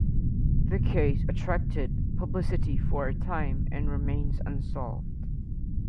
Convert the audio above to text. The case attracted publicity for a time and remains unsolved.